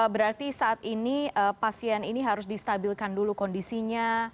berarti saat ini pasien ini harus distabilkan dulu kondisinya